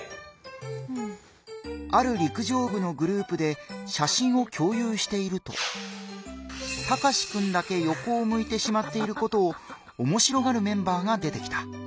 ある陸上部のグループで写真を共有しているとタカシくんだけよこを向いてしまっていることをおもしろがるメンバーが出てきた。